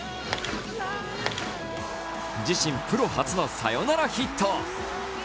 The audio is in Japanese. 自身、プロ初のサヨナラヒット。